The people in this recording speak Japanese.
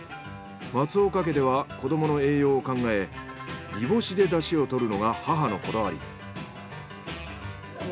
松岡家では子どもの栄養を考え煮干しでだしをとるのが母のこだわり。